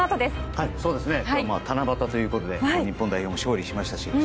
今日は七夕ということで日本代表も勝利しましたし